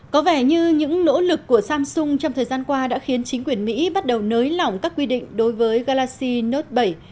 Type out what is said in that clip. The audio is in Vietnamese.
có vẻ như những nỗ lực của samsung trong thời gian qua đã khiến chính quyền mỹ bắt đầu nới lỏng các quy định đối với galaxy note bảy